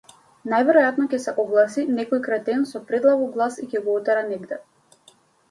Најверојатно ќе се огласи некој кретен со предлабок глас и ќе го отера негде.